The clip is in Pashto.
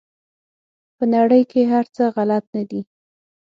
په نړۍ کې هر څه غلط نه دي.